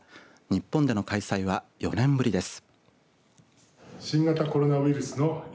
日本での開催は４年ぶりです。